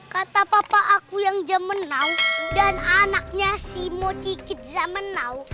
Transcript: kata papa aku yang jamanau dan anaknya si mojikit jamanau